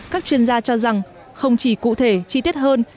các chuyên gia cho rằng không chỉ cụ thể chi tiết hơn